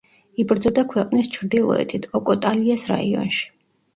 იბრძოდა ქვეყნის ჩრდილოეთით, ოკოტალიას რაიონში.